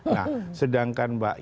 nah sedangkan mbak ida